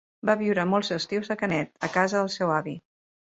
Va viure molts estius a Canet, a casa del seu avi.